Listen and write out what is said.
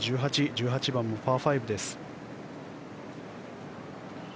１８番、パー５です。